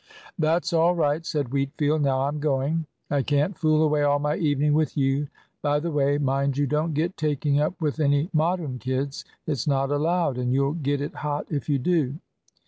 "That's all right," said Wheatfield. "Now I'm going. I can't fool away all my evening with you. By the way, mind you don't get taking up with any Modern kids. It's not allowed, and you'll get it hot if you do.